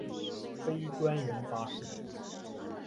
非专营巴士。